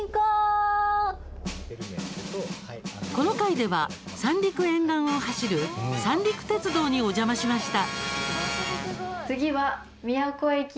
この回では三陸沿岸を走る三陸鉄道にお邪魔しました。